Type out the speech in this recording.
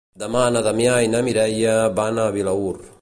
Demà na Damià i na Mireia van a Vilaür.